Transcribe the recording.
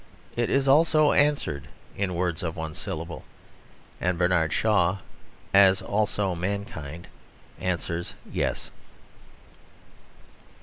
It is also answered in words of one syllable, and Bernard Shaw (as also mankind) answers "yes."